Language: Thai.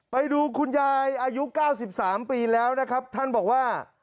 ไปดูคุณยายอายุเก้าสิบสามปีแล้วนะครับท่านบอกว่า